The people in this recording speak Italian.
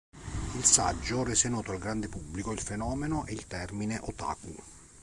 Il saggio rese noto al grande pubblico il fenomeno e il termine otaku.